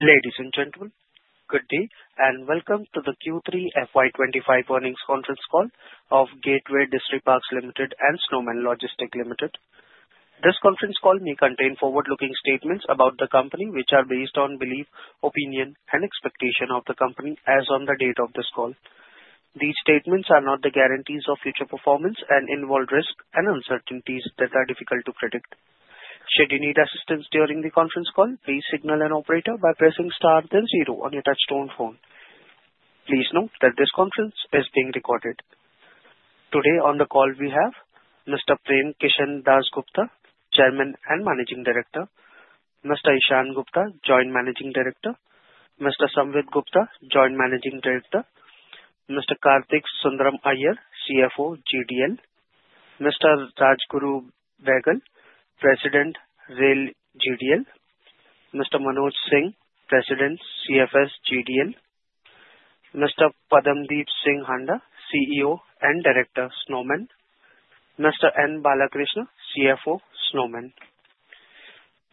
Ladies and gentlemen, good day, and welcome to the Q3 FY25 earnings conference call of Gateway Distriparks Limited and Snowman Logistics Limited. This conference call may contain forward-looking statements about the company, which are based on belief, opinion, and expectation of the company as of the date of this call. These statements are not the guarantees of future performance and involve risks and uncertainties that are difficult to predict. Should you need assistance during the conference call, please signal an operator by pressing star then zero on your touch-tone phone. Please note that this conference is being recorded. Today on the call we have Mr. Prem Kishan Dass Gupta, Chairman and Managing Director, Mr. Ishaan Gupta, Joint Managing Director, Mr. Samvit Gupta, Joint Managing Director, Mr. Karthik Sundaram Iyer, CFO, GDL, Mr. Rajguru Behgal, President, Rail, GDL, Mr. Manoj Singh, President, CFS, GDL, Mr. Padamdeep Singh Handa, CEO and Director, Snowman. Mr. N. Balakrishna, CFO, Snowman.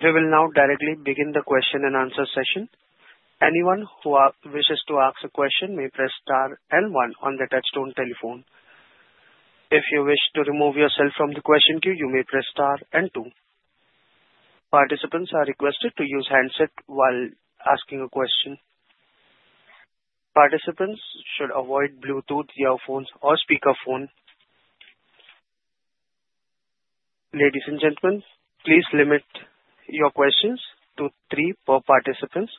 We will now directly begin the question and answer session. Anyone who wishes to ask a question may press star and one on the touch-tone telephone. If you wish to remove yourself from the question queue, you may press star and two. Participants are requested to use handset while asking a question. Participants should avoid Bluetooth earphones or speakerphone. Ladies and gentlemen, please limit your questions to three per participant.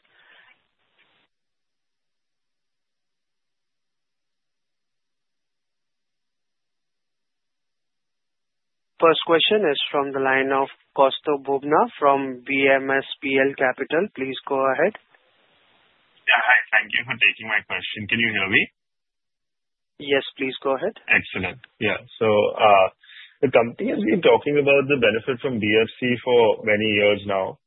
First question is from the line of Kasturi Bubna from B&K Securities. Please go ahead. Yeah, hi. Thank you for taking my question. Can you hear me? Yes, please go ahead. Excellent. Yeah. So the company has been talking about the benefit from DFC for many years now,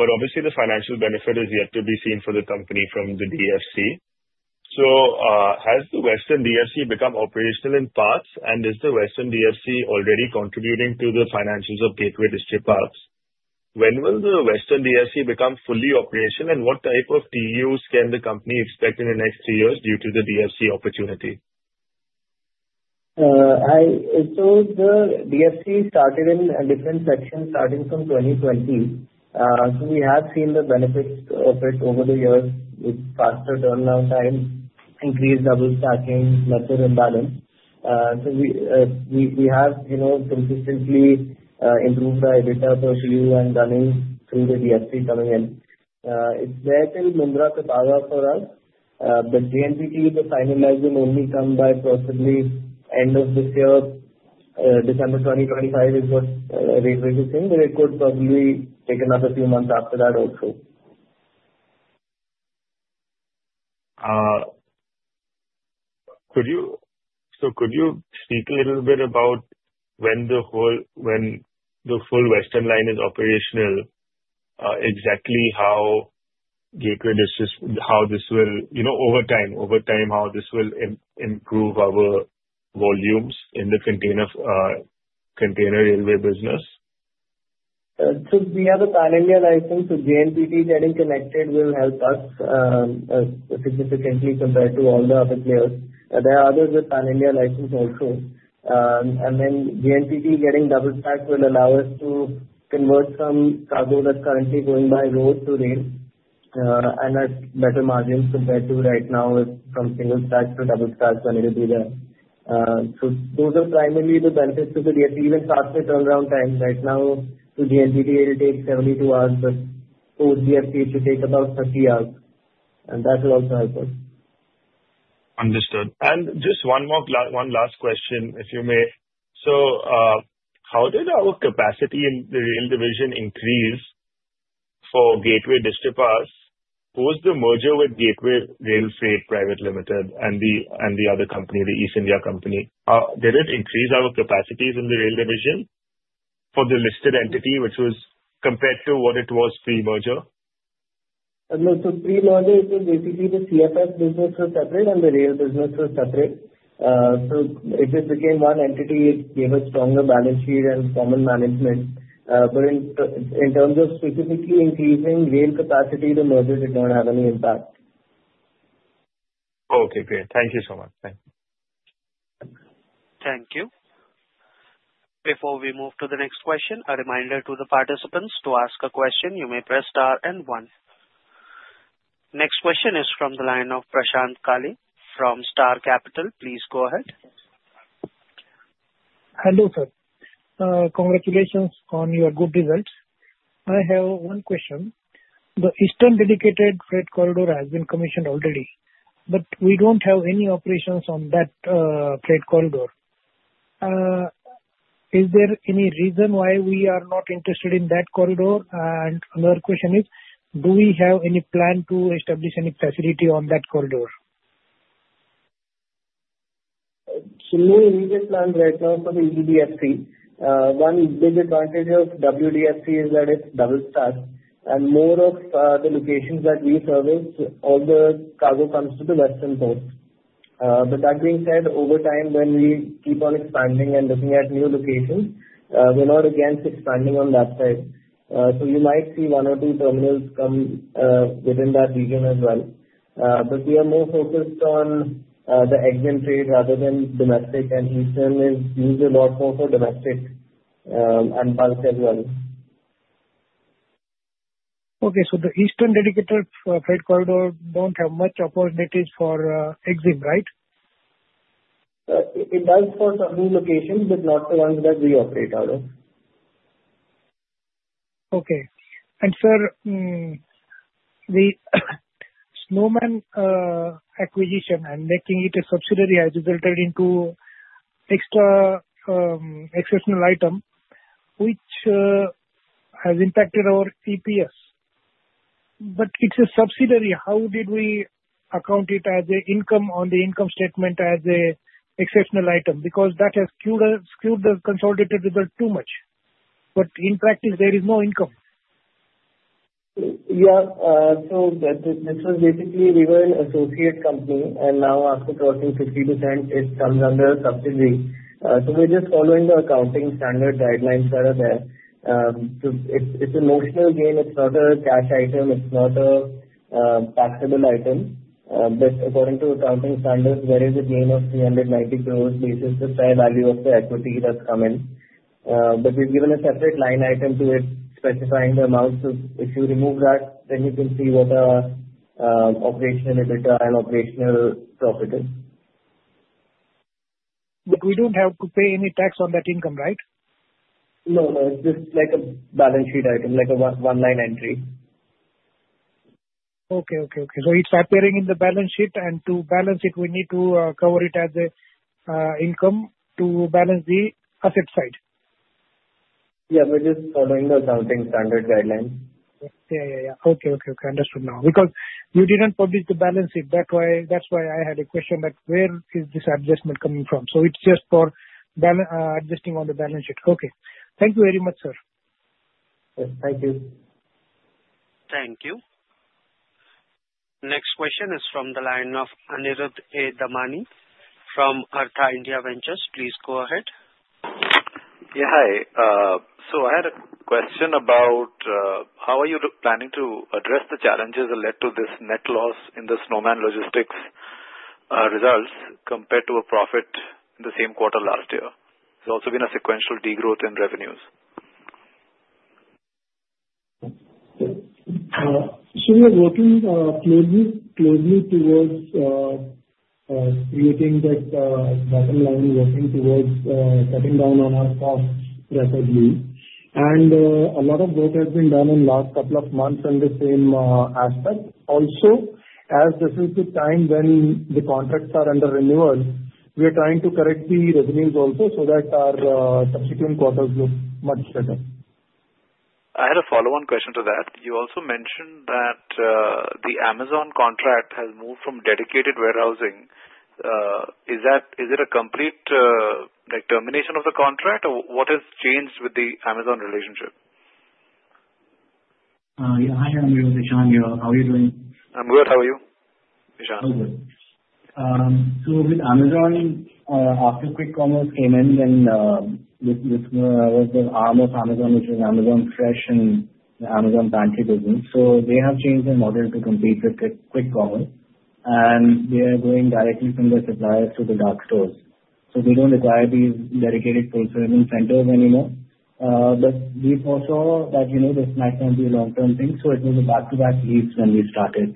but obviously the financial benefit is yet to be seen for the company from the DFC. So has the Western DFC become operational in parts, and is the Western DFC already contributing to the financials of Gateway Distriparks? When will the Western DFC become fully operational, and what type of TEUs can the company expect in the next two years due to the DFC opportunity? The DFC started in a different section starting from 2020. We have seen the benefits of it over the years with faster turnaround times, increased double stacking, lesser imbalance. We have consistently improved our data procedure and running through the DFC coming in. It's there till Mundra to Bhestan for us, but JNPT, the final version, only comes by possibly end of this year. December 2025 is what Gateway is saying, but it could probably take another few months after that also. So, could you speak a little bit about when the full Western line is operational, exactly how Gateway Distriparks how this will over time, over time how this will improve our volumes in the container railway business? We have a Pan India license, so GNPT getting connected will help us significantly compared to all the other players. There are others with Pan India license also. GNPT getting double stacked will allow us to convert some cargo that's currently going by road to rail and at better margins compared to right now from single stack to double stack when we do that. Those are primarily the benefits to the DFC. Even faster turnaround time. Right now, to GNPT, it will take 72 hours, but post-DFC, it should take about 30 hours. That will also help us. Understood. And just one last question, if you may. So how did our capacity in the rail division increase for Gateway Distriparks? Who was the merger with Gateway Rail Freight Private Limited and the other company, the East India Company? Did it increase our capacities in the rail division for the listed entity, which was compared to what it was pre-merger? So pre-merger, it was basically the CFS business was separate and the rail business was separate. So if it became one entity, it gave us stronger balance sheet and common management. But in terms of specifically increasing rail capacity, the merger did not have any impact. Okay. Great. Thank you so much. Thanks. Thank you. Before we move to the next question, a reminder to the participants to ask a question. You may press star and one. Next question is from the line of Prashant Kale from Star Capital. Please go ahead. Hello, sir. Congratulations on your good results. I have one question. The Eastern Dedicated Freight Corridor has been commissioned already, but we don't have any operations on that freight corridor. Is there any reason why we are not interested in that corridor? And another question is, do we have any plan to establish any facility on that corridor? So no immediate plan right now for the EDFC. One big advantage of the WDFC is that it's double stacked, and more of the locations that we service, all the cargo comes to the western port. But that being said, over time, when we keep on expanding and looking at new locations, we're not against expanding on that side. So you might see one or two terminals come within that region as well. But we are more focused on the EXIM trade rather than domestic, and eastern is used a lot more for domestic and bulk as well. Okay. So the Eastern Dedicated Freight Corridor don't have much opportunities for exit, right? It does for some locations, but not for ones that we operate out of. Okay. And sir, the Snowman acquisition and making it a subsidiary has resulted into extra exceptional item, which has impacted our EPS. But it's a subsidiary. How did we account it as an income on the income statement as an exceptional item? Because that has skewed the consolidated result too much. But in practice, there is no income. Yeah. So this was basically, we were an associate company, and now after crossing 50%, it comes under subsidiary. So we're just following the accounting standard guidelines that are there. So it's a notional gain. It's not a cash item. It's not a taxable item. But according to accounting standards, there is a gain of 390 crores based on the fair value of the equity that's come in. But we've given a separate line item to it specifying the amount. So if you remove that, then you can see what our operational EBITDA and operational profit is. But we don't have to pay any tax on that income, right? No, no. It's just like a balance sheet item, like a one-line entry. It's appearing in the balance sheet, and to balance it, we need to cover it as an income to balance the asset side. Yeah. We're just following the accounting standard guidelines. Yeah, yeah, yeah. Okay, okay, okay. Understood now. Because you didn't publish the balance sheet. That's why I had a question that where is this adjustment coming from? So it's just for adjusting on the balance sheet. Okay. Thank you very much, sir. Yes. Thank you. Thank you. Next question is from the line of Aniruddha A. Damani from Artha India Ventures. Please go ahead. Yeah, hi, so I had a question about how are you planning to address the challenges that led to this net loss in the Snowman Logistics results compared to a profit in the same quarter last year? There's also been a sequential degrowth in revenues. So we are working closely towards creating that bottom line, working towards cutting down on our costs rapidly. And a lot of work has been done in the last couple of months in the same aspect. Also, as this is the time when the contracts are under renewal, we are trying to correct the revenues also so that our subsequent quarters look much better. I had a follow-on question to that. You also mentioned that the Amazon contract has moved from dedicated warehousing. Is it a complete termination of the contract, or what has changed with the Amazon relationship? Yeah. Hi, I'm Ishan here. How are you doing? I'm good. How are you, Ishan? Oh, good. So with Amazon, after QuickCommerce came in, then this was the arm of Amazon, which is Amazon Fresh and the Amazon Pantry business. So they have changed their model to compete with QuickCommerce, and they are going directly from the suppliers to the dark stores. So they don't require these dedicated fulfillment centers anymore. But we also saw that this might not be a long-term thing, so it was a back-to-back lease when we started.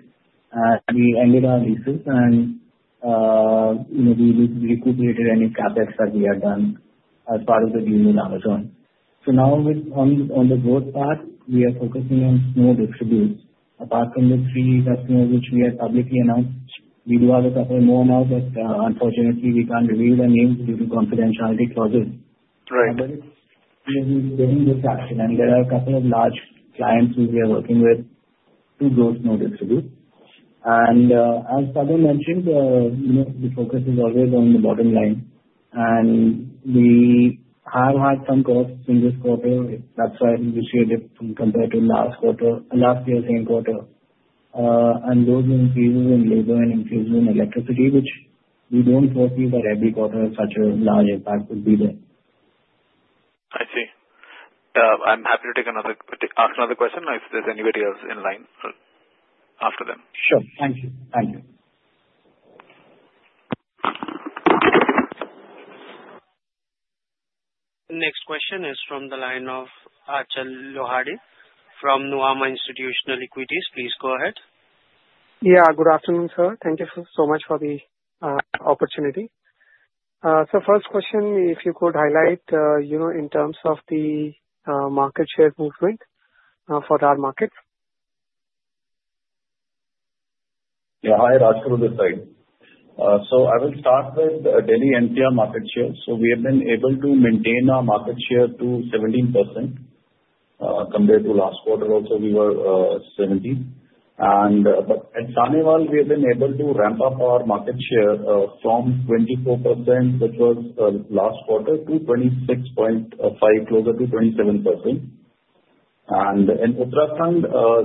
And we ended our leases, and we recuperated any CapEx that we had done as part of the deal with Amazon. So now, on the growth path, we are focusing on Snow Distribute. Apart from the three customers which we had publicly announced, we do have a couple more now, but unfortunately, we can't reveal their names due to confidentiality clauses. But it's getting this action, and there are a couple of large clients who we are working with to grow Snow Distribute. And as Pavel mentioned, the focus is always on the bottom line. And we have had some costs in this quarter. That's why I'm appreciative compared to last year's same quarter. And those increases in labor and increases in electricity, which we don't foresee that every quarter such a large impact would be there. I see. I'm happy to ask another question if there's anybody else in line after them. Sure. Thank you. Thank you. Next question is from the line of Ajay Lohani from Nuvama Institutional Equities. Please go ahead. Yeah. Good afternoon, sir. Thank you so much for the opportunity, so first question, if you could highlight in terms of the market share movement for our market. Yeah. Hi, Rajguru, Gateway Distriparks. So I will start with daily NCR market share. So we have been able to maintain our market share to 17% compared to last quarter. Also, we were 70. But at CONCOR, we have been able to ramp up our market share from 24%, which was last quarter, to 26.5%, closer to 27%. And in Uttarakhand,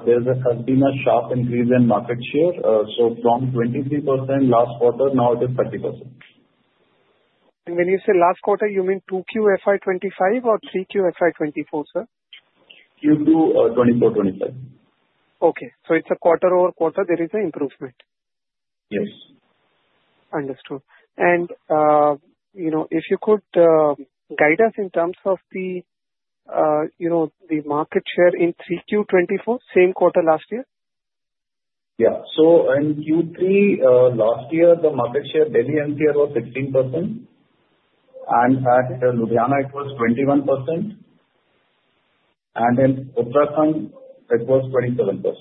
there has been a sharp increase in market share. So from 23% last quarter, now it is 30%. When you say last quarter, you mean 2Q FY25 or 3Q FY24, sir? Q2 2024, 2025. Okay. So it's a quarter over quarter. There is an improvement. Yes. Understood. And if you could guide us in terms of the market share in 3Q 24, same quarter last year. Yeah, so in Q3 last year, the market share daily NPR was 16%, and at Ludhiana, it was 21%, and in Uttarakhand, it was 27%.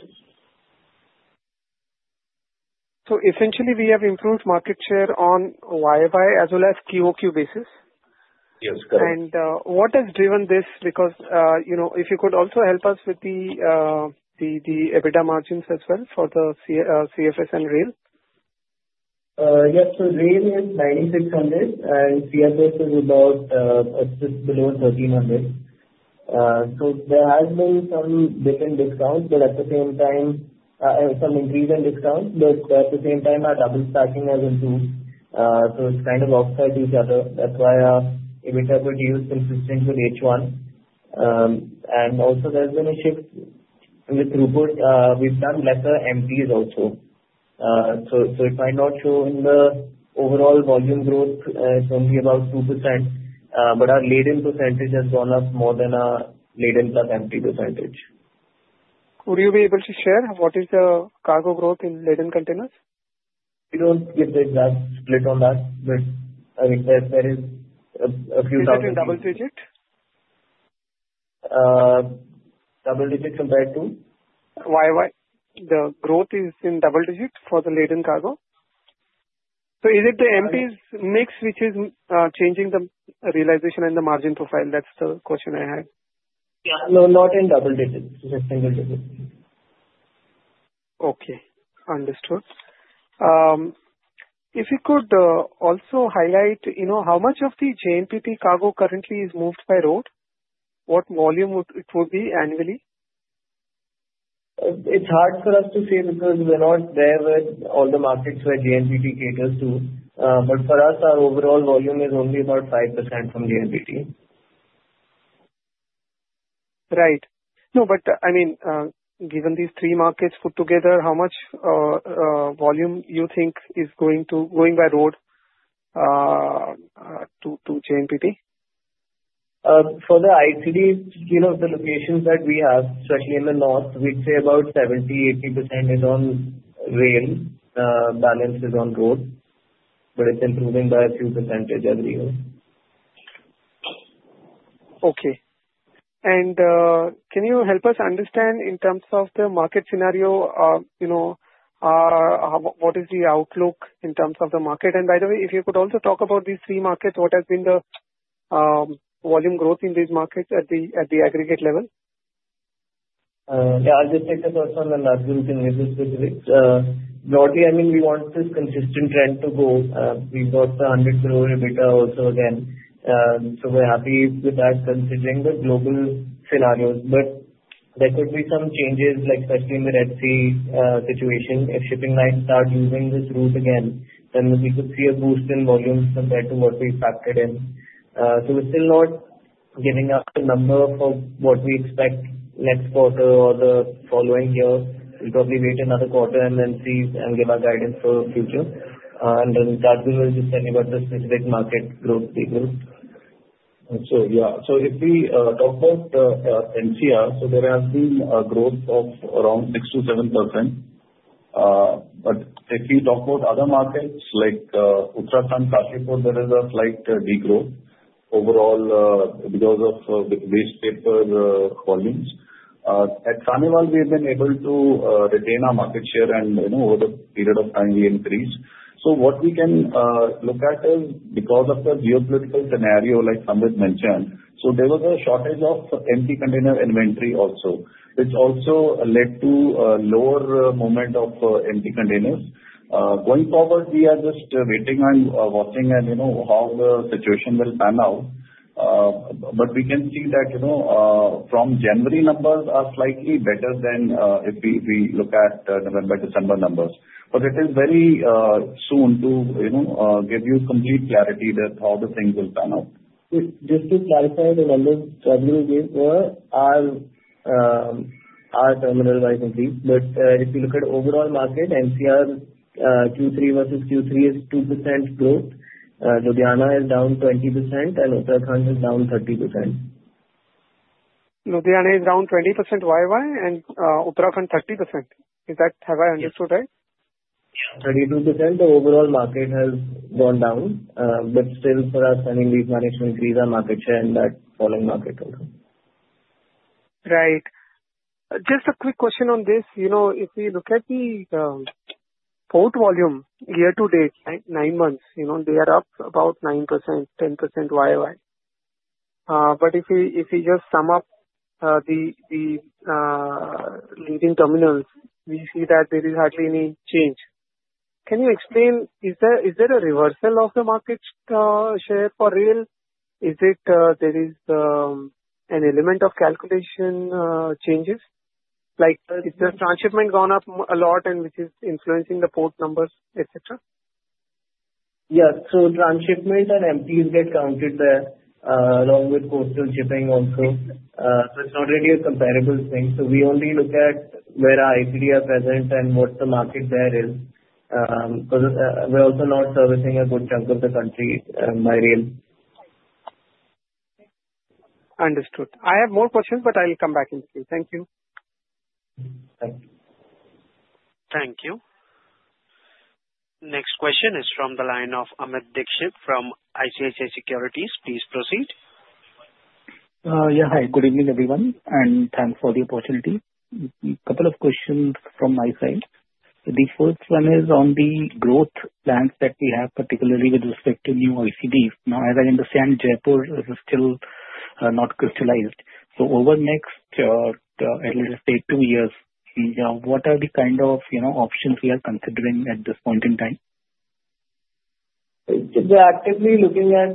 Essentially, we have improved market share on YoY as well as QoQ basis. Yes. Correct. What has driven this? Because if you could also help us with the EBITDA margins as well for the CFS and rail. Yes. So rail is 9,600, and CFS is about just below 1,300. So there has been some different discounts, but at the same time, some increase in discounts. But at the same time, our double stacking has improved. So it's kind of offset each other. That's why our EBITDA is consistent with H1. And also, there's been a shift with throughput. We've done better MTs also. So it might not show in the overall volume growth. It's only about 2%. But our laden percentage has gone up more than our laden plus MP percentage. Would you be able to share what is the cargo growth in laden containers? We don't get the exact split on that, but I mean, there is a few double digits. Is it in double digit? Double digit compared to? Why? The growth is in double digit for the laden cargo. So is it the MPs mix, which is changing the realization and the margin profile? That's the question I had. Yeah. No, not in double digits. It's just single digits. Okay. Understood. If you could also highlight how much of the JNPT cargo currently is moved by road, what volume it would be annually? It's hard for us to say because we're not there with all the markets where JNPT caters to. But for us, our overall volume is only about 5% from JNPT. Right. No, but I mean, given these three markets put together, how much volume you think is going by road to JNPT? For the ICD scale of the locations that we have, especially in the north, we'd say about 70%-80% is on rail. Balance is on road, but it's improving by a few percentage every year. Okay, and can you help us understand in terms of the market scenario, what is the outlook in terms of the market? And by the way, if you could also talk about these three markets, what has been the volume growth in these markets at the aggregate level? Yeah. I'll just take a thought on the large growth in WDFC. Broadly, I mean, we want this consistent trend to go. We've got the 100 crore EBITDA also again. So we're happy with that considering the global scenarios. But there could be some changes, especially in the Red Sea situation. If shipping lines start using this route again, then we could see a boost in volume compared to what we factored in. So we're still not giving up the number for what we expect next quarter or the following year. We'll probably wait another quarter and then see and give our guidance for future. And then that will just tell you about the specific market growth we do. So, yeah. So if we talk about NCR, so there has been a growth of around 6%-7%. But if you talk about other markets like Uttarakhand, Kashipur, there is a slight degrowth overall because of waste paper volumes. At Carnival, we have been able to retain our market share, and over the period of time, we increased. So what we can look at is because of the geopolitical scenario, like Samvit mentioned, so there was a shortage of empty container inventory also. It's also led to a lower movement of empty containers. Going forward, we are just waiting and watching how the situation will pan out. But we can see that from January numbers are slightly better than if we look at November, December numbers. But it is very soon to give you complete clarity that how the things will pan out. Just to clarify the numbers, Rajguru gave were our terminal-wise increase. But if you look at overall market, NCR Q3 versus Q3 is 2% growth. Ludhiana is down 20%, and Uttarakhand is down 30%. Ludhiana is down 20%, YY, and Uttarakhand 30%. Have I understood right? Yeah. 32%. The overall market has gone down, but still, for us, I think we've managed to increase our market share in that falling market also. Right. Just a quick question on this. If we look at the port volume year to date, nine months, they are up about 9%, 10%, YY. But if we just sum up the leading terminals, we see that there is hardly any change. Can you explain? Is there a reversal of the market share for rail? Is it there is an element of calculation changes? Is the transshipment gone up a lot, and which is influencing the port numbers, etc.? Yes. So transshipment and MPs get counted there along with postal shipping also. So it's not really a comparable thing. So we only look at where our ICD are present and what the market there is. We're also not servicing a good chunk of the country by rail. Understood. I have more questions, but I'll come back in. Thank you. Thank you. Thank you. Next question is from the line of Amit Dixit from ICICI Securities. Please proceed. Yeah. Hi. Good evening, everyone. And thanks for the opportunity. A couple of questions from my side. The first one is on the growth plans that we have, particularly with respect to new ICDs. Now, as I understand, Jaipur is still not crystallized. So over the next, at least, say, two years, what are the kind of options we are considering at this point in time? We're actively looking at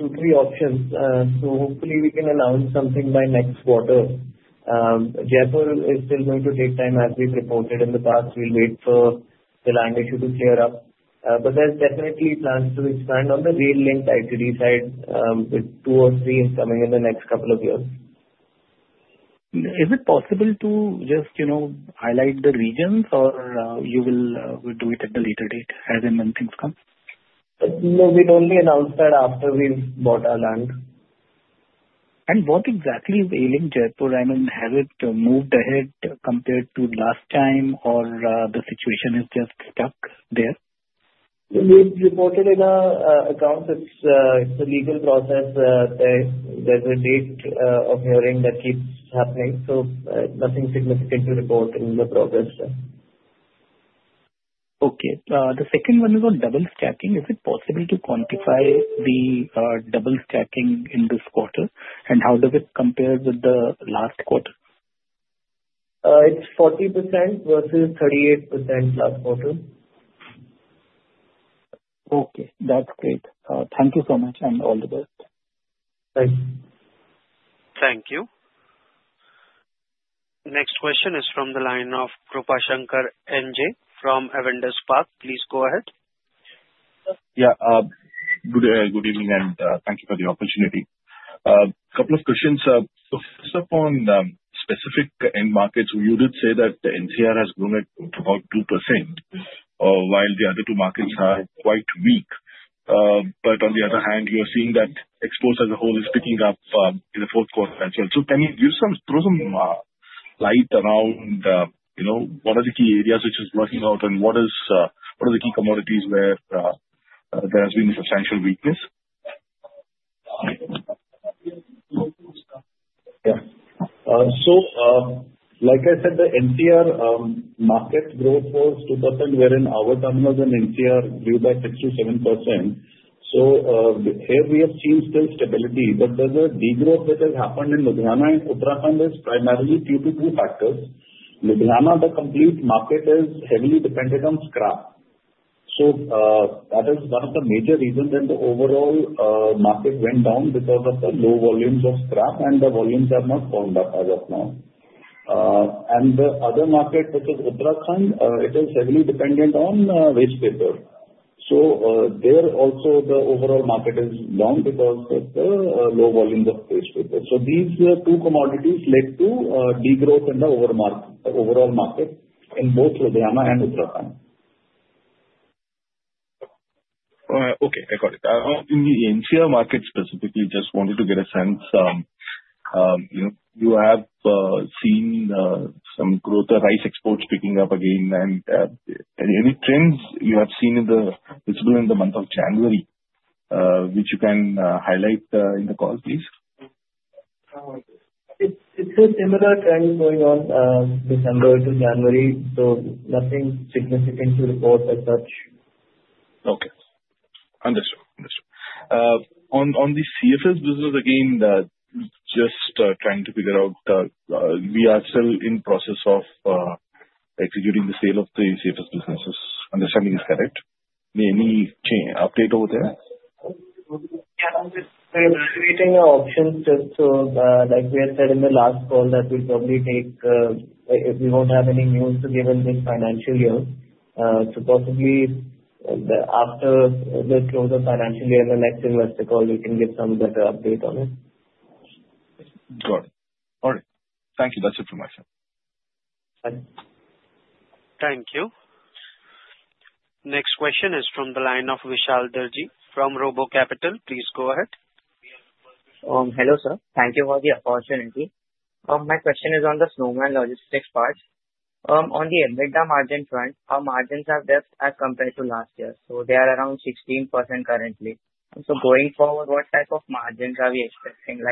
two, three options. So hopefully, we can announce something by next quarter. Jaipur is still going to take time, as we've reported in the past. We'll wait for the land issue to clear up. But there's definitely plans to expand on the rail-linked ICD side with two or three coming in the next couple of years. Is it possible to just highlight the regions, or you will do it at a later date as and when things come? No, we'd only announce that after we've bought our land. And what exactly is ailing Jaipur? I mean, has it moved ahead compared to last time, or the situation is just stuck there? We've reported in our accounts. It's a legal process. There's a date of hearing that keeps happening. So nothing significant to report in the progress. Okay. The second one is on double stacking. Is it possible to quantify the double stacking in this quarter, and how does it compare with the last quarter? It's 40% versus 38% last quarter. Okay. That's great. Thank you so much, and all the best. Thanks. Thank you. Next question is from the line of Prabhashankar N J from Avendus Spark. Please go ahead. Yeah. Good evening, and thank you for the opportunity. A couple of questions. So first, upon specific end markets, you did say that NCR has grown at about 2%, while the other two markets are quite weak. But on the other hand, you're seeing that exports as a whole is picking up in the fourth quarter as well. So can you throw some light around what are the key areas which are working out, and what are the key commodities where there has been a substantial weakness? Yeah. So like I said, the NCR market growth was 2%, wherein our terminals and NCR grew by 6%-7%. So here, we have seen still stability. But there's a degrowth that has happened in Ludhiana and Uttarakhand. It's primarily due to two factors. Ludhiana, the complete market is heavily dependent on scrap. So that is one of the major reasons that the overall market went down because of the low volumes of scrap, and the volumes have not gone up as of now. And the other market, which is Uttarakhand, it is heavily dependent on waste paper. So there also, the overall market is down because of the low volumes of waste paper. So these two commodities led to degrowth in the overall market in both Ludhiana and Uttarakhand. Okay. Got it. In the NCR market specifically, just wanted to get a sense. You have seen some growth, the rice exports picking up again. And any trends you have seen visible in the month of January, which you can highlight in the call, please? It's a similar trend going on December to January. So nothing significant to report as such. Okay. Understood. Understood. On the CFS business, again, just trying to figure out, we are still in the process of executing the sale of the CFS businesses. Understanding is correct. Any update over there? Yeah. We're evaluating our options just to, like we had said in the last call, that we'll probably take if we won't have any news to give in this financial year. So possibly, after the close of financial year and next investor call, we can give some better update on it. Got it. All right. Thank you. That's it from my side. Thanks. Thank you. Next question is from the line of Vishal Darji from RoboCapital. Please go ahead. Hello, sir. Thank you for the opportunity. My question is on the Snowman Logistics part. On the EBITDA margin front, our margins are best as compared to last year. So they are around 16% currently. So going forward, what type of margins are we expecting?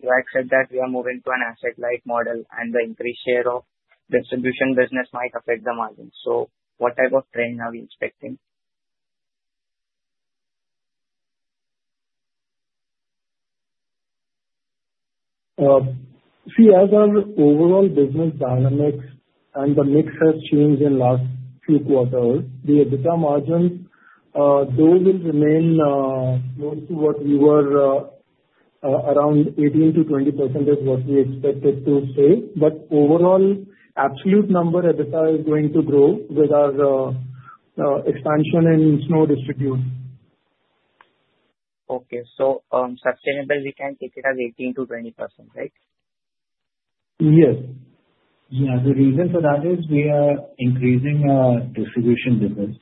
Do I accept that we are moving to an asset-like model, and the increased share of distribution business might affect the margins? So what type of trend are we expecting? See, as our overall business dynamics and the mix has changed in the last few quarters, the EBITDA margins, though, will remain close to what we were around 18%-20% is what we expected to stay. But overall, absolute number, EBITDA is going to grow with our expansion in Snow Distribute. Okay. So sustainably, we can take it as 18%-20%, right? Yes. Yeah. The reason for that is we are increasing our distribution business,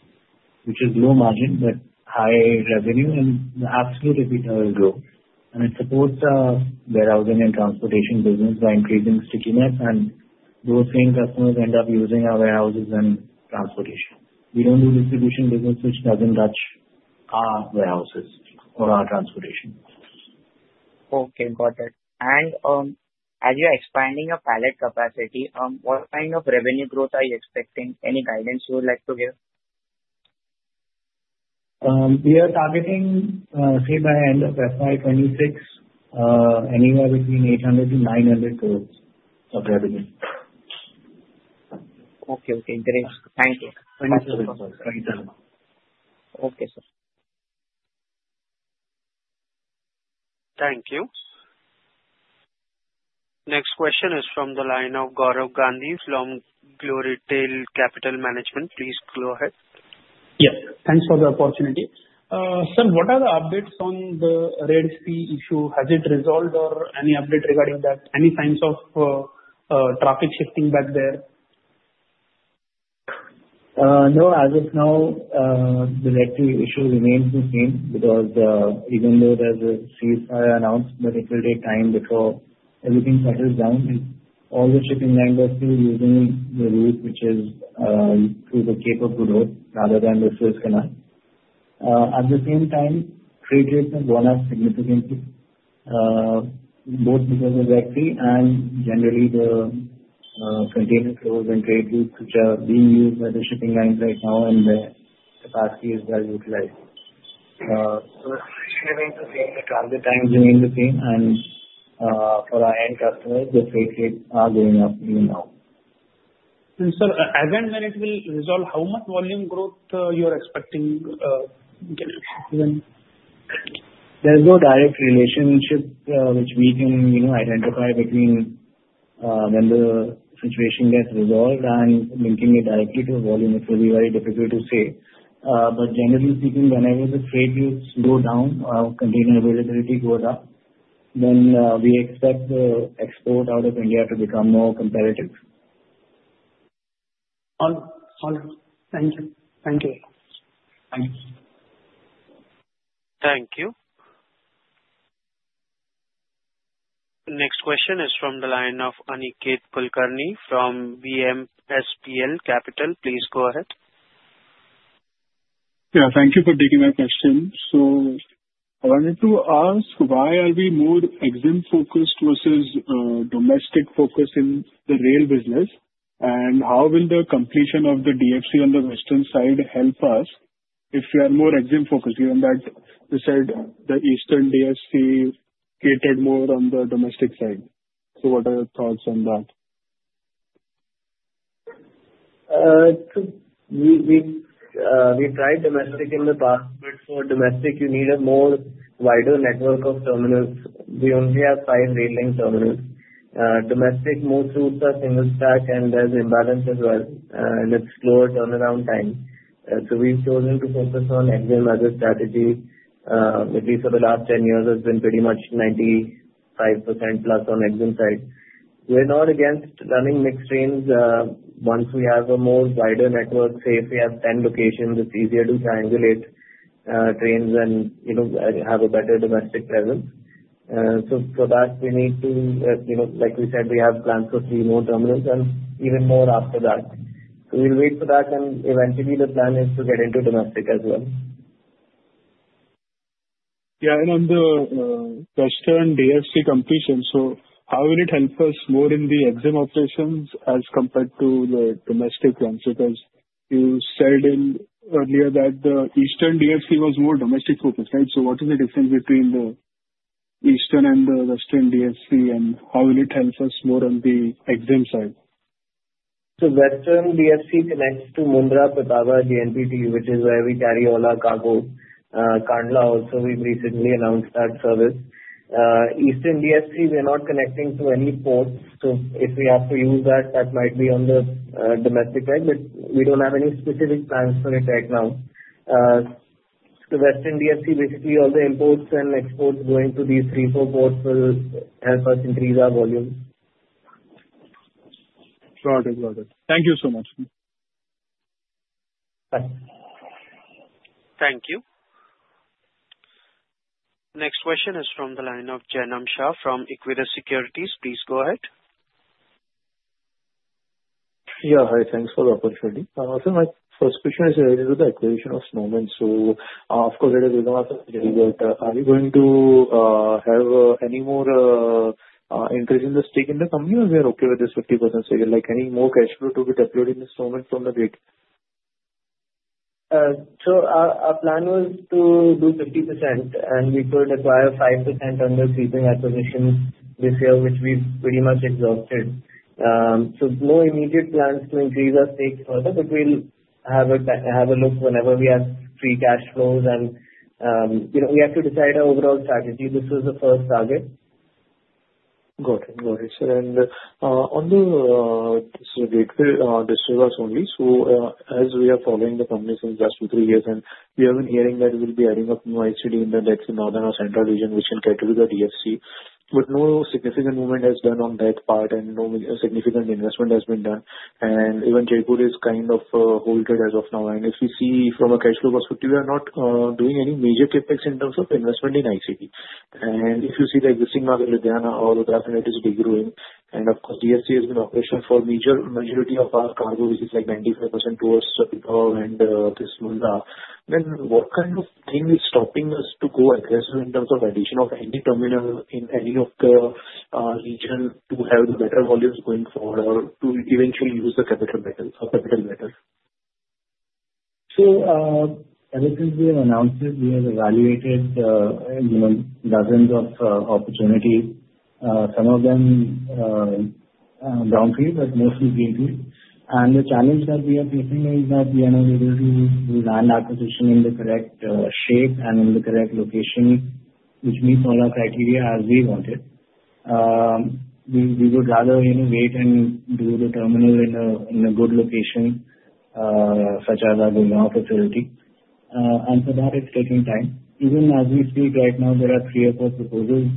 which is low margin but high revenue, and the absolute EBITDA will grow. And it supports our warehousing and transportation business by increasing stickiness, and those same customers end up using our warehouses and transportation. We don't do distribution business, which doesn't touch our warehouses or our transportation. Okay. Got it. And as you're expanding your pallet capacity, what kind of revenue growth are you expecting? Any guidance you would like to give? We are targeting, say, by end of FY 26, anywhere between 800 to 900 crores of revenue. Okay. Okay. Great. Thank you. Okay. Sure. Sure. Thank you. Thank you. Next question is from the line of Gaurav Gandhi from Glorytail Capital Management. Please go ahead. Yes. Thanks for the opportunity. Sir, what are the updates on the Red Sea issue? Has it resolved, or any update regarding that? Any signs of traffic shifting back there? No. As of now, the Red Sea issue remains the same because even though there's a ceasefire announced, but it will take time before everything settles down. All the shipping lines are still using the route, which is through the Cape of Good Hope rather than the Suez Canal. At the same time, freight rates have gone up significantly, both because of Red Sea and generally the container flows and freight routes which are being used by the shipping lines right now, and the capacity is well utilized. So it's remained the same. The transit times remain the same, and for our end customers, the freight rates are going up even now. Sir, as and when it will resolve, how much volume growth you're expecting? There's no direct relationship which we can identify between when the situation gets resolved and linking it directly to volume. It will be very difficult to say, but generally speaking, whenever the freight rates slow down, our container availability goes up, then we expect the export out of India to become more competitive. All right. Thank you. Thank you. Thank you. Thank you. Next question is from the line of Aniket Kulkarni from B&K Securities. Please go ahead. Yeah. Thank you for taking my question. So I wanted to ask, why are we more exim-focused versus domestic-focused in the rail business, and how will the completion of the DFC on the western side help us if we are more exim-focused? Given that you said the eastern DFC catered more on the domestic side. So what are your thoughts on that? We tried domestic in the past, but for domestic, you need a more wider network of terminals. We only have five rail-linked terminals. Domestic most routes are single-stack, and there's imbalance as well, and it's slower turnaround time, so we've chosen to focus on EXIM as a strategy. At least for the last 10 years, it's been pretty much 95% plus on EXIM side. We're not against running mixed trains. Once we have a more wider network, say if we have 10 locations, it's easier to triangulate trains and have a better domestic presence, so for that, we need to, like we said, we have plans for three more terminals and even more after that, so we'll wait for that, and eventually, the plan is to get into domestic as well. Yeah. And on the western DFC completion, so how will it help us more in the EXIM operations as compared to the domestic ones? Because you said earlier that the eastern DFC was more domestic-focused, right? So what is the difference between the eastern and the western DFC, and how will it help us more on the EXIM side? The Western DFC connects to Mundra-Pipavav JNPT, which is where we carry all our cargo. Kandla also, we've recently announced that service. Eastern DFC, we're not connecting to any ports. So if we have to use that, that might be on the domestic side, but we don't have any specific plans for it right now. The Western DFC, basically, all the imports and exports going to these three, four ports will help us increase our volume. Got it. Got it. Thank you so much. Bye. Thank you. Next question is from the line of Janam Shah from Equirus Securities. Please go ahead. Yeah. Hi. Thanks for the opportunity. Also, my first question is related to the acquisition of Snowman. So of course, it is within our strategy, but are we going to have any more increase in the stake in the company, or we are okay with this 50% stake? Any more cash flow to be deployed in Snowman from Gateway? Our plan was to do 50%, and we could acquire 5% under creeping acquisition this year, which we've pretty much exhausted. No immediate plans to increase our stake further, but we'll have a look whenever we have free cash flows. We have to decide our overall strategy. This was the first target. Got it. Got it, sir, and on the disclosures only, so as we are following the company since last two, three years, and we have been hearing that we'll be adding up new ICD in the next northern or central region, which will cater to the DFC, but no significant movement has been on that part, and no significant investment has been done, and even Jaipur is kind of halted as of now, and if we see from a cash flow perspective, we are not doing any major CapEx in terms of investment in ICD, and if you see the existing market, Ludhiana, all of that, and it is degrowing, and of course, DFC has been operational for a major majority of our cargo, which is like 95% towards Subicom and this Mundra. Then what kind of thing is stopping us to go aggressive in terms of addition of any terminal in any of the region to have better volumes going forward or to eventually use the capital better? Ever since we have announced it, we have evaluated dozens of opportunities, some of them downfield, but mostly greenfield. The challenge that we are facing is that we are not able to do land acquisition in the correct shape and in the correct location, which meets all our criteria as we wanted. We would rather wait and do the terminal in a good location, such as our Gurgaon facility. For that, it's taking time. Even as we speak right now, there are three or four proposals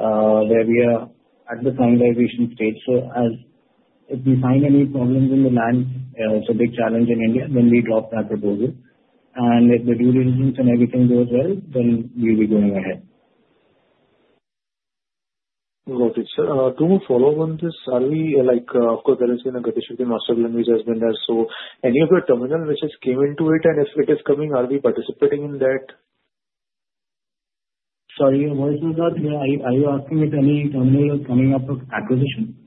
where we are at the finalization stage. If we find any problems in the land, it's a big challenge in India, then we drop that proposal. If the due diligence and everything goes well, then we'll be going ahead. Got it, sir. To follow up on this, are we of course, as I said, in Gati Shakti, master plan has been there. So any of your terminal which has come into it, and if it is coming, are we participating in that? Sorry, what was that? Are you asking if any terminal is coming up for acquisition?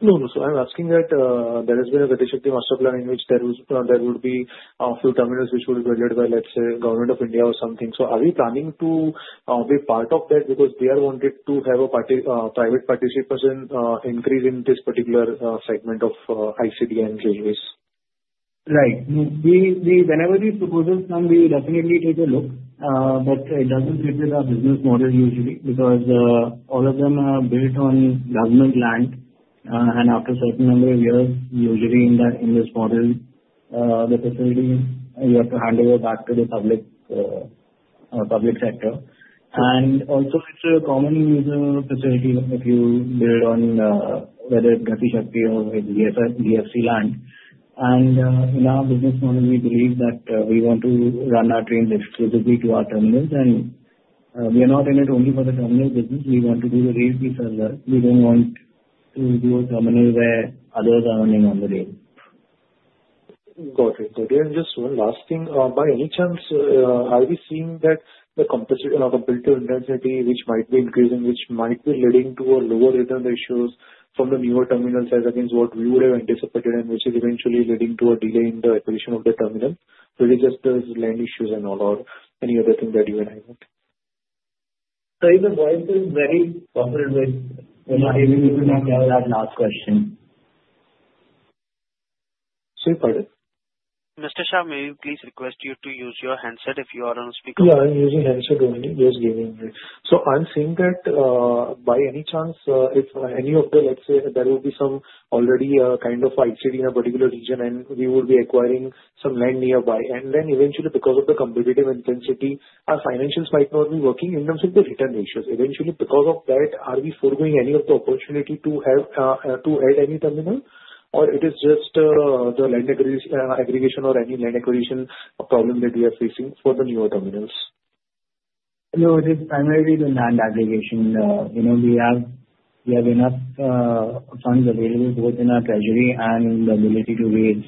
No. So, I'm asking that there has been a Gati Shakti master plan that would be a few terminals which would be budgeted by, let's say, Government of India or something. So, are we planning to be part of that because they are wanting to have a private participation increase in this particular segment of ICD and railways? Right. Whenever we propose a plan, we will definitely take a look. But it doesn't fit with our business model usually because all of them are built on government land. And after a certain number of years, usually in this model, the facility you have to hand over back to the public sector. And also, it's a common facility if you build on whether it's Gati Shakti or it's DFC land. And in our business model, we believe that we want to run our trains exclusively to our terminals. And we are not in it only for the terminal business. We want to do the railways as well. We don't want to do a terminal where others are running on the railway. Got it. Got it. And just one last thing. By any chance, are we seeing that the competitive intensity, which might be increasing, which might be leading to lower return ratios from the newer terminals as against what we would have anticipated, and which is eventually leading to a delay in the acquisition of the terminal? Or is it just those land issues and all, or any other thing that you mention? Sorry, the voice is very corporate voice. If you need to, you can ask that last question. Say it, pardon. Mr. Shah, may we please request you to use your handset if you are on speaker? Yeah. I'm using handset only. Just giving you. So I'm seeing that by any chance, if any of the, let's say, there will be some already kind of ICD in a particular region, and we will be acquiring some land nearby. And then eventually, because of the competitive intensity, our financials might not be working in terms of the return ratios. Eventually, because of that, are we foregoing any of the opportunity to add any terminal, or it is just the land aggregation or any land acquisition problem that we are facing for the newer terminals? No, it is primarily the land aggregation. We have enough funds available both in our treasury and in the ability to raise.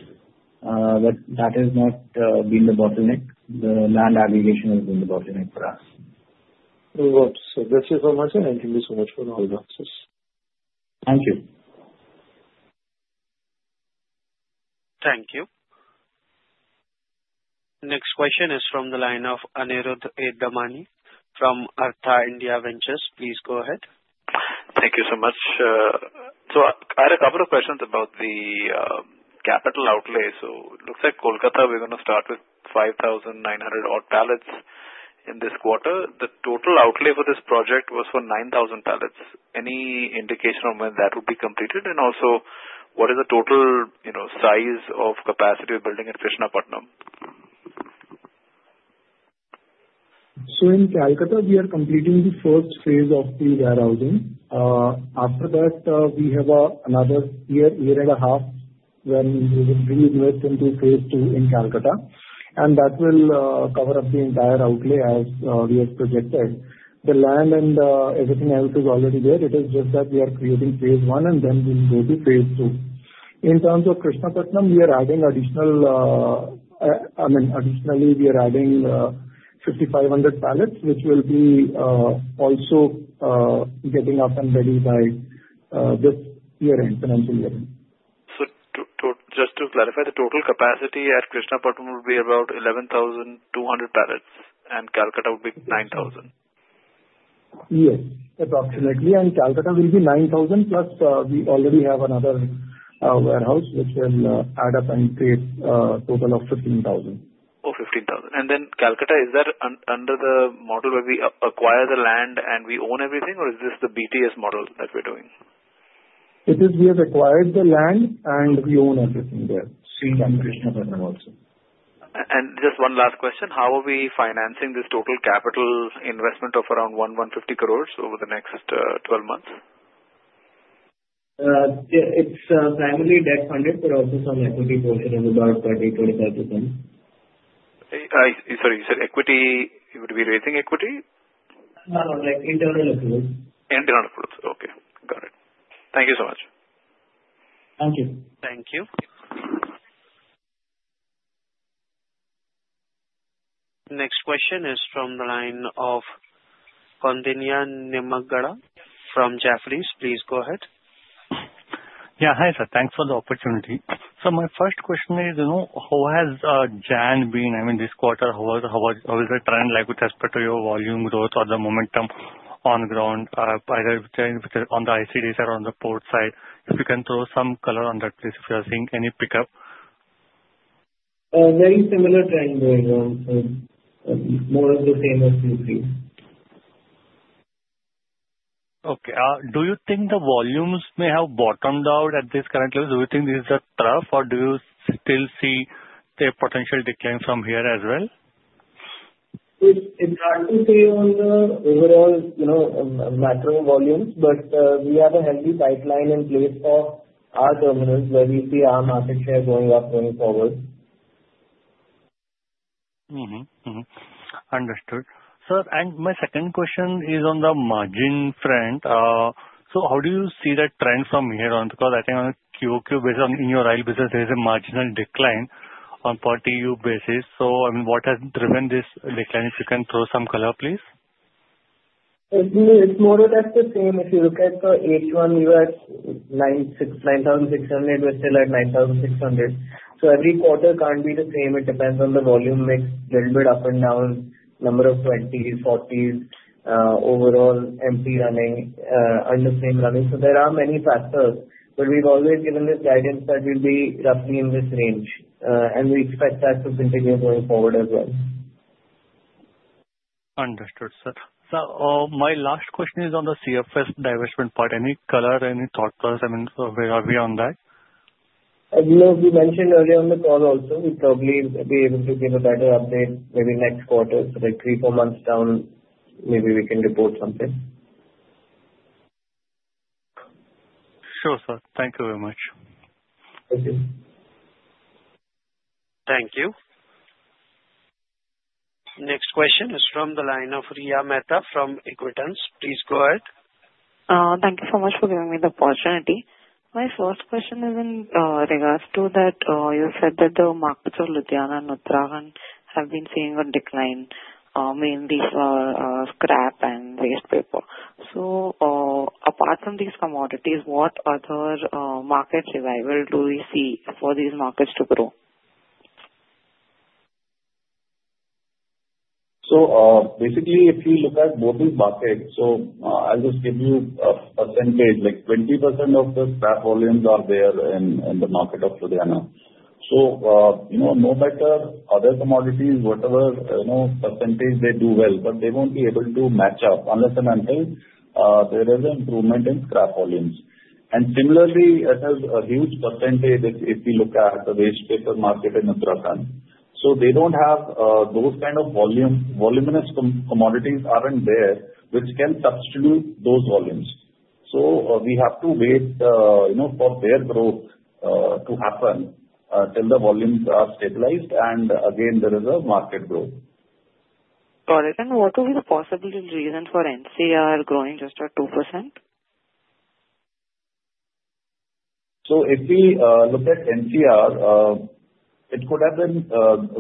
But that has not been the bottleneck. The land aggregation has been the bottleneck for us. Got it. So thank you so much, and thank you so much for all the answers. Thank you. Thank you. Next question is from the line of Aniruddha A. Damani from Artha India Ventures. Please go ahead. Thank you so much. So I had a couple of questions about the capital outlay. So it looks like Kolkata, we're going to start with 5,900 odd pallets in this quarter. The total outlay for this project was for 9,000 pallets. Any indication on when that will be completed? And also, what is the total size of capacity of building at Krishnapatnam? So in Kolkata, we are completing the first phase of the warehousing. After that, we have another year, year and a half, when we will reinvest into phase two in Kolkata. And that will cover up the entire outlay as we have projected. The land and everything else is already there. It is just that we are creating phase one, and then we'll go to phase two. In terms of Krishnapatnam, we are adding additional I mean, additionally, we are adding 5,500 pallets, which will be also getting up and ready by this year, financial year. Just to clarify, the total capacity at Krishnapatnam will be about 11,200 pallets, and Kolkata would be 9,000? Yes, approximately. And Kolkata will be 9,000 plus. We already have another warehouse, which will add up and create a total of 15,000. Oh, 15,000. And then Kolkata, is that under the model where we acquire the land and we own everything, or is this the BTS model that we're doing? It is. We have acquired the land, and we own everything there. It's in Krishnapatnam also. Just one last question. How are we financing this total capital investment of around 1,150 crores over the next 12 months? It's primarily debt-funded, but also some equity portion of about 30%-35%. Sorry, you said equity. Would it be raising equity? No, no. Like internal approvals. Internal approvals. Okay. Got it. Thank you so much. Thank you. Thank you. Next question is from the line of Kandiniya Nirmaggara from Jefferies. Please go ahead. Yeah. Hi, sir. Thanks for the opportunity. So my first question is, how has JN been? I mean, this quarter, how is the trend like with respect to your volume growth or the momentum on ground, either on the ICD side or on the port side? If you can throw some color on that, please, if you are seeing any pickup. Very similar trend going on. More of the same as you see. Okay. Do you think the volumes may have bottomed out at this current level? Do you think this is a trough, or do you still see a potential decline from here as well? It's hard to say on the overall macro volumes, but we have a healthy pipeline in place for our terminals where we see our market share going up going forward. Understood. Sir, and my second question is on the margin front. So how do you see that trend from here on? Because I think on a QOQ basis, in your oil business, there is a marginal decline on per TEU basis. So I mean, what has driven this decline? If you can throw some color, please. It's more or less the same. If you look at the H1, we were 9,600. We're still at 9,600. So every quarter can't be the same. It depends on the volume mix, a little bit up and down, number of 20s, 40s, overall empty running, under-same running. So there are many factors, but we've always given this guidance that we'll be roughly in this range. And we expect that to continue going forward as well. Understood, sir. Sir, my last question is on the CFS divestment part. Any color, any thought to us? I mean, where are we on that? As you mentioned earlier on the call also, we'll probably be able to give a better update maybe next quarter. So like three, four months down, maybe we can report something. Sure, sir. Thank you very much. Thank you. Thank you. Next question is from the line of Riya Mehta from Equitree Capital. Please go ahead. Thank you so much for giving me the opportunity. My first question is in regards to that you said that the markets of Ludhiana and Uttarakhand have been seeing a decline, mainly for scrap and waste paper. So apart from these commodities, what other market survival do we see for these markets to grow? So basically, if you look at both these markets, so I'll just give you a percentage. Like 20% of the scrap volumes are there in the market of Ludhiana. So no matter other commodities, whatever percentage they do well, but they won't be able to match up unless and until there is an improvement in scrap volumes. And similarly, there's a huge percentage if you look at the waste paper market in Uttarakhand. So they don't have those kind of voluminous commodities aren't there, which can substitute those volumes. So we have to wait for their growth to happen till the volumes are stabilized. And again, there is a market growth. Got it. And what would be the possible reason for NCR growing just at 2%? If we look at NCR, it could have been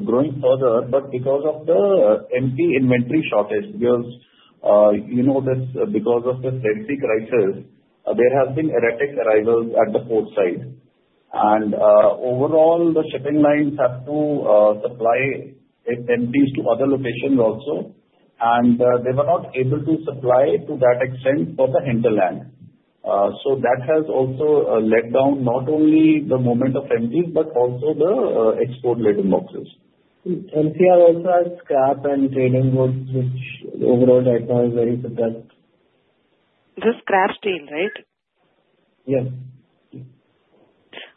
growing further, but because of the empty inventory shortage, because of the Suez crisis, there has been erratic arrivals at the port side. Overall, the shipping lines have to supply empty to other locations also. And they were not able to supply to that extent for the hinterland. So that has also let down not only the movement of empty, but also the export laden boxes. NCR also has scrap and trading goods, which overall right now is very suppressed. This is scrap steel, right? Yes.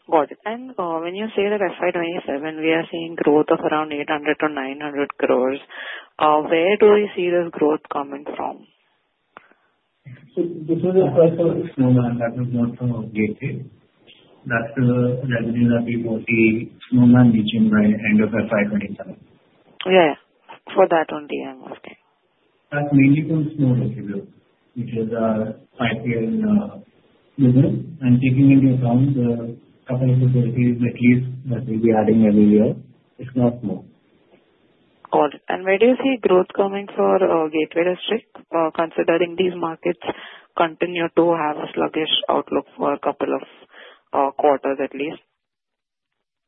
Got it. And when you say that FY27, we are seeing growth of around 800-900 crores, where do we see this growth coming from? So this is a question of Snowman that is not from Gateway. That's the revenue that we foresee Snowman reaching by the end of FY27. Yeah. For that one, I'm asking. That's mainly from Snow Distribute, which is our pipeline business, and taking into account the couple of facilities at least that we'll be adding every year, it's not small. Got it. And where do you see growth coming for Gateway Distriparks, considering these markets continue to have a sluggish outlook for a couple of quarters at least?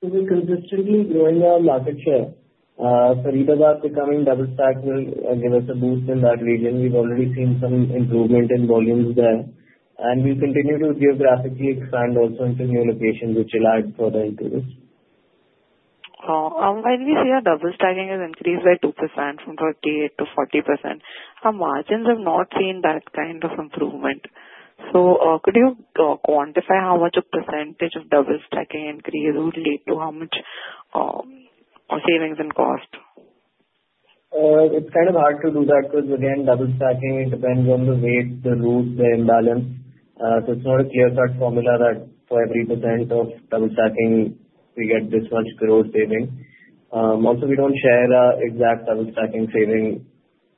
We're consistently growing our market share. So Rewari becoming double-stacked will give us a boost in that region. We've already seen some improvement in volumes there. And we'll continue to geographically expand also into new locations, which will add further into this. When we see our double-stacking has increased by 2% from 38% to 40%, our margins have not seen that kind of improvement. So could you quantify how much a percentage of double-stacking increase would lead to how much savings in cost? It's kind of hard to do that because, again, double-stacking depends on the weight, the route, the imbalance. So it's not a clear-cut formula that for every % of double-stacking, we get this much gross saving. Also, we don't share exact double-stacking saving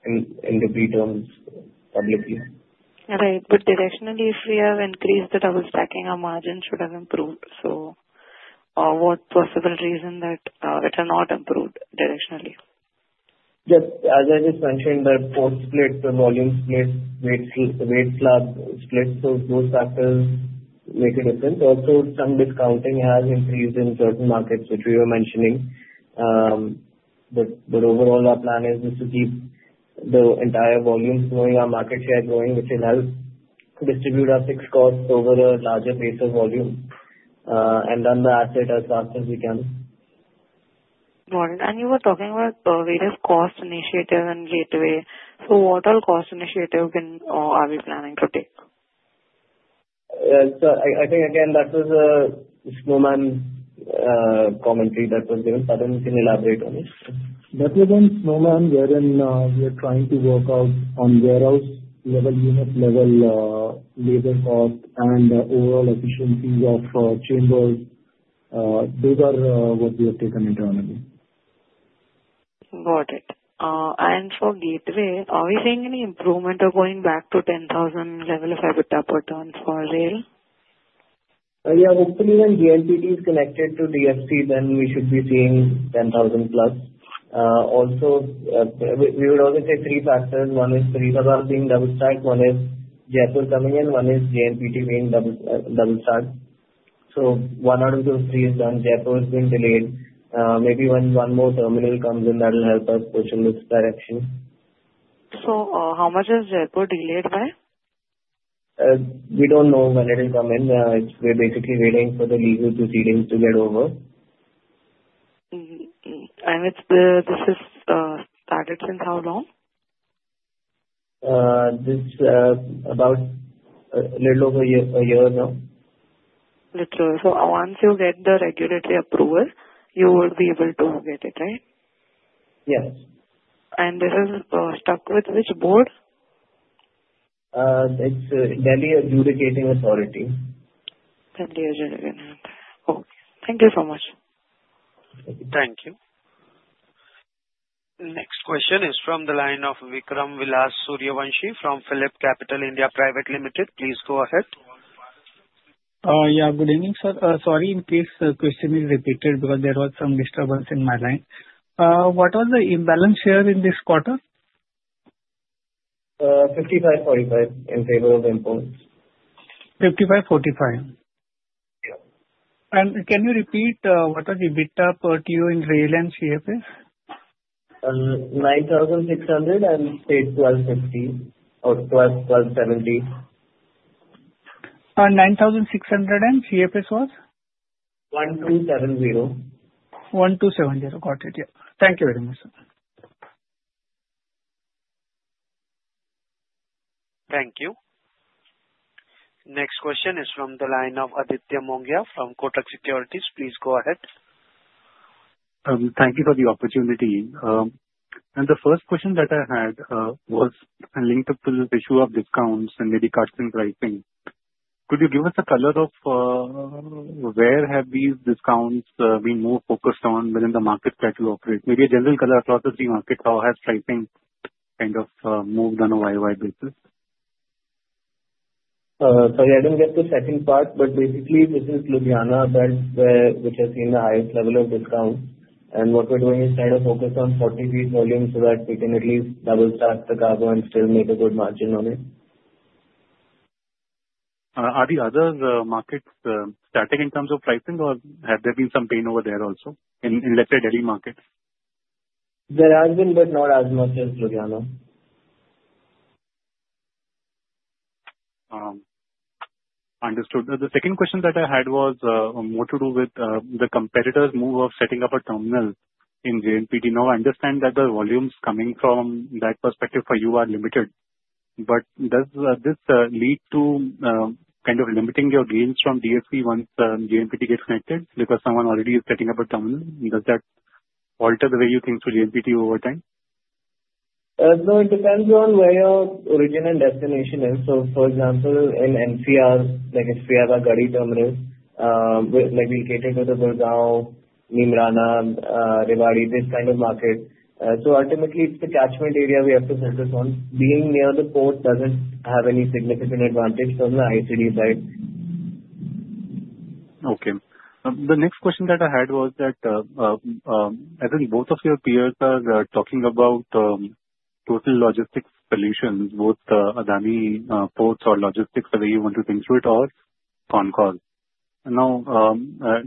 in the P&L terms publicly. Right. But directionally, if we have increased the double-stacking, our margin should have improved. So what possible reason that it has not improved directionally? Just as I just mentioned, the port split, the volume split, weight slab split, so those factors make a difference. Also, some discounting has increased in certain markets, which we were mentioning, but overall, our plan is just to keep the entire volume growing, our market share growing, which will help distribute our fixed costs over a larger base of volume, and then the asset as fast as we can. Got it. And you were talking about various cost initiatives and Gateway. So what all cost initiative are we planning to take? So I think, again, that was a Snowman commentary that was given. Pardon, you can elaborate on it. That was on Snowman wherein we are trying to work out on warehouse level, unit level, labor cost, and overall efficiencies of chambers. Those are what we have taken internally. Got it. And for Gateway, are we seeing any improvement of going back to 10,000 level if I put up a term for rail? Yeah. Hopefully, when GLPD is connected to DFC, then we should be seeing 10,000 plus. Also, we would always say three factors. One is Rewari being double-stacked. One is Jaipur coming in. One is GLPD being double-stacked. So one out of those three is done. Jaipur has been delayed. Maybe when one more terminal comes in, that will help us push in this direction. So how much is Jaipur delayed by? We don't know when it will come in. We're basically waiting for the legal proceedings to get over. This has started since how long? This is about a little over a year now. Literally. So once you get the regulatory approval, you will be able to get it, right? Yes. And this is stock with which board? It's Delhi Adjudicating Authority. Delhi Adjudicating Authority. Okay. Thank you so much. Thank you. Next question is from the line of Vikram Suryavanshi from PhillipCapital India Private Limited. Please go ahead. Yeah. Good evening, sir. Sorry in case the question is repeated because there was some disturbance in my line. What was the imbalance share in this quarter? 55, 45 in payroll and posts. 55, 45. Yeah. Can you repeat what was the EBITDA per TEU in rail and CFS? 9,600 and stayed 1250 or 1270. 9,600 and CFS was? 1,270. 1,270. Got it. Yeah. Thank you very much, sir. Thank you. Next question is from the line of Aditya Mongia from Kotak Securities. Please go ahead. Thank you for the opportunity. And the first question that I had was linked to the issue of discounts and maybe custom pricing. Could you give us a color of where have these discounts been more focused on within the markets that you operate? Maybe a general color across the three markets. How has pricing kind of moved on a YY basis? Sorry, I didn't get the second part, but basically, this is Ludhiana belt, which has seen the highest level of discounts, and what we're doing is trying to focus on 40 feet volume so that we can at least double-stack the cargo and still make a good margin on it. Are the other markets static in terms of pricing, or have there been some pain over there also, in let's say, Delhi markets? There has been, but not as much as Ludhiana. Understood. The second question that I had was more to do with the competitors' move of setting up a terminal in GLPD. Now, I understand that the volumes coming from that perspective for you are limited. But does this lead to kind of limiting your gains from DFC once GLPD gets connected? Because someone already is setting up a terminal. Does that alter the way you think through GLPD over time? No, it depends on where your origin and destination is. So for example, in NCR, like if we have a Garhi Harsaru terminal, we'll cater to the Bhiwadi, Neemrana, Rewari, this kind of market. So ultimately, it's the catchment area we have to focus on. Being near the port doesn't have any significant advantage from the ICD side. Okay. The next question that I had was that, as in both of your peers are talking about total logistics solutions, both Adani Ports and Logistics, whether you want to think through it or CONCOR. Now,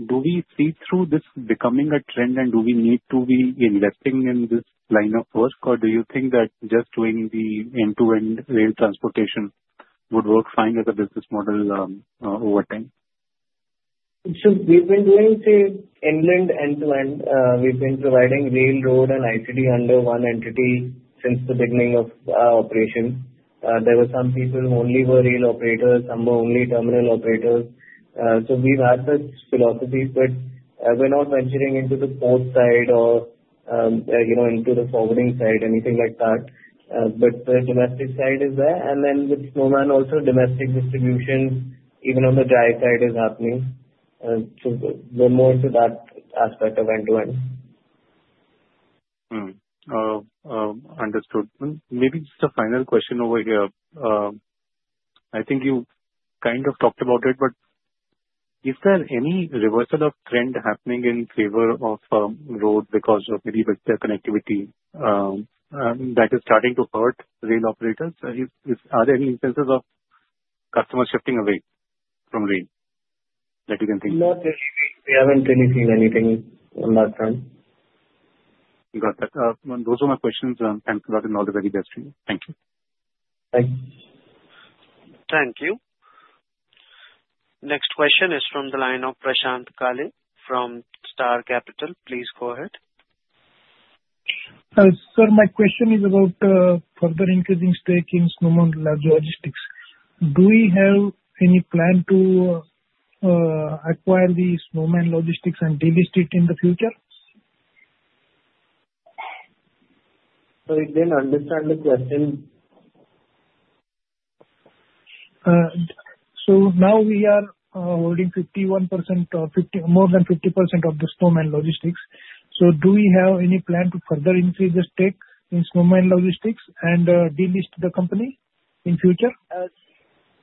do we see this becoming a trend, and do we need to be investing in this line of work, or do you think that just doing the end-to-end rail transportation would work fine as a business model over time? So we've been doing the end-to-end. We've been providing rail, road, and ICD under one entity since the beginning of our operation. There were some people who only were rail operators, some were only terminal operators. So we've had such philosophies, but we're not venturing into the port side or into the forwarding side, anything like that. But the domestic side is there. And then with Snowman, also domestic distribution, even on the dry side, is happening. So we're more into that aspect of end-to-end. Understood. Maybe just a final question over here. I think you kind of talked about it, but is there any reversal of trend happening in favor of road because of maybe with the connectivity that is starting to hurt rail operators? Are there any instances of customers shifting away from rail that you can think of? Not really. We haven't really seen anything on that front. Got that. Those were my questions. Thank you for the knowledge of the best for you. Thank you. Thanks. Thank you. Next question is from the line of Prashant Kalin from Star Capital. Please go ahead. Sir, my question is about further increasing stake in Snowman Logistics. Do we have any plan to acquire the Snowman Logistics and delist it in the future? Sorry, I didn't understand the question. So now we are holding more than 50% of the Snowman Logistics. So do we have any plan to further increase the stake in Snowman Logistics and delist the company in future?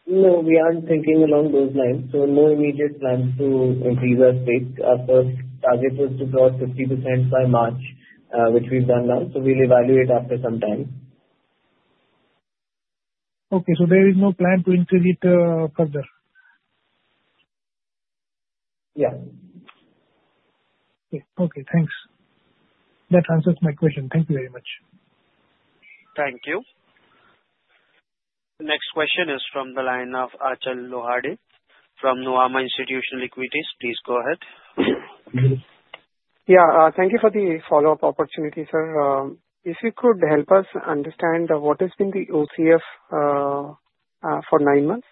No, we aren't thinking along those lines. So no immediate plan to increase our stake. Our first target was to draw 50% by March, which we've done now. So we'll evaluate after some time. Okay, so there is no plan to increase it further? Yeah. Okay. Okay. Thanks. That answers my question. Thank you very much. Thank you. Next question is from the line of Achal Lohade from Nuvama Institutional Equities. Please go ahead. Yeah. Thank you for the follow-up opportunity, sir. If you could help us understand what has been the OCF for nine months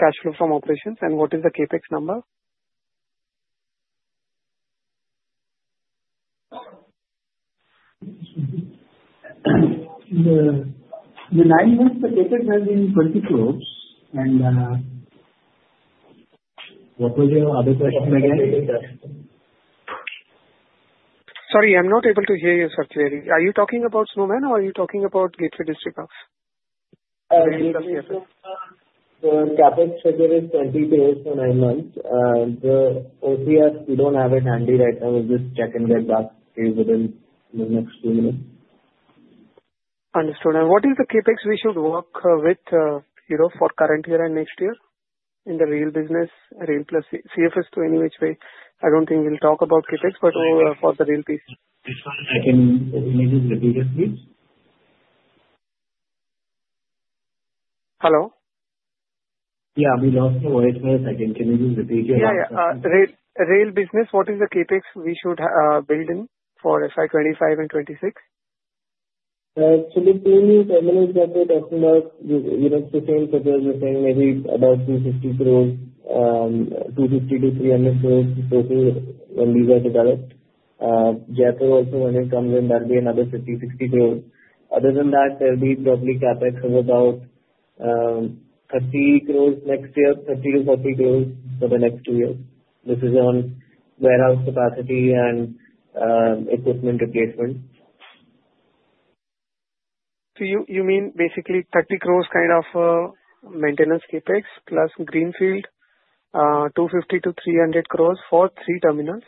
cash flow from operations, and what is the CapEx number? The nine months, the CapEx has been 20 crores. And what was your other question again? Sorry, I'm not able to hear you, sir, clearly. Are you talking about Snowman, or are you talking about Gateway Distriparks? Gateway Distriparks. So CapEx figure is 20 crores for nine months. The OCF, we don't have it handy right now. We'll just check and get back within the next few minutes. Understood. And what is the CapEx we should work with for current year and next year in the rail business, rail plus CFS to any which way? I don't think we'll talk about CapEx, but for the rail piece. I can just repeat it, please? Hello? Yeah. We lost your voice a second. Can you just repeat your last question? Yeah. Rail business, what is the CapEx we should build in for FY25 and 26? So the same as what we're talking about, it's the same figure. We're saying maybe about 250 crores, 250-300 crores when these are developed. Jaipur also, when it comes in, there'll be another 50-60 crores. Other than that, there'll be probably CapEx of about 30 crores next year, 30-40 crores for the next two years. This is on warehouse capacity and equipment replacement. So you mean basically 30 crores kind of maintenance CapEx plus greenfield, 250-300 crores for three terminals,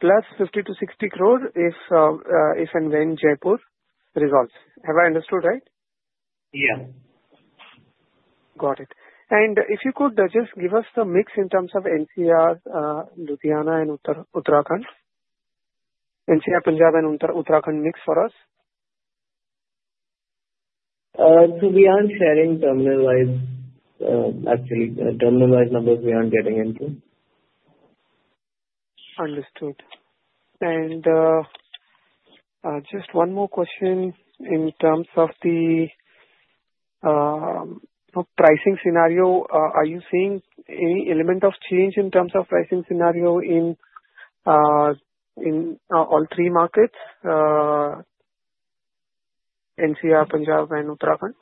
plus 50-60 crores if and when Jaipur resolves. Have I understood right? Yeah. Got it. And if you could just give us the mix in terms of NCR, Ludhiana, and Uttarakhand, NCR, Punjab, and Uttarakhand mix for us? So we aren't sharing terminal-wise, actually. Terminal-wise numbers we aren't getting into. Understood. And just one more question in terms of the pricing scenario. Are you seeing any element of change in terms of pricing scenario in all three markets, NCR, Punjab, and Uttarakhand?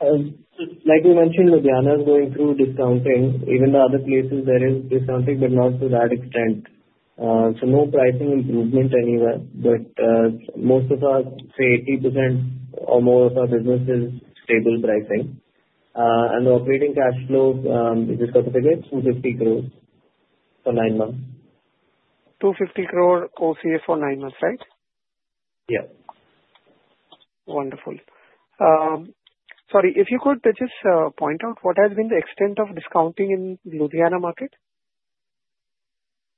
Like we mentioned, Ludhiana is going through discounting. Even the other places, there is discounting, but not to that extent, so no pricing improvement anywhere, but most of our, say, 80% or more of our business is stable pricing, and the operating cash flow, you just got the figure, INR 250 crores for nine months. 250 crore OCF for nine months, right? Yeah. Wonderful. Sorry, if you could just point out, what has been the extent of discounting in Ludhiana market?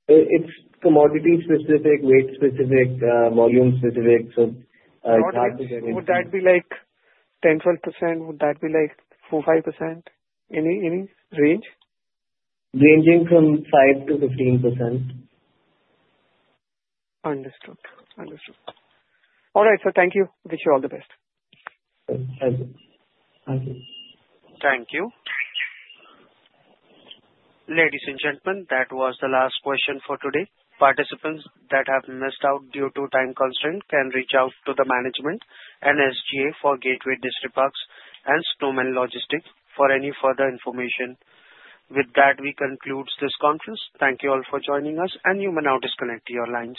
It's commodity-specific, weight-specific, volume-specific. So it's hard to say. Would that be like 10, 12%? Would that be like four, five%? Any range? Ranging from 5%-15%. Understood. Understood. All right. So thank you. Wish you all the best. Thank you. Thank you. Ladies and gentlemen, that was the last question for today. Participants that have missed out due to time constraint can reach out to the management and SGA for Gateway Distriparks and Snowman Logistics for any further information. With that, we conclude this conference. Thank you all for joining us, and you may now disconnect your lines.